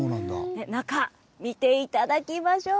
中、見ていただきましょう。